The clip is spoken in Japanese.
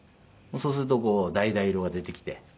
そうすると橙色が出てきて。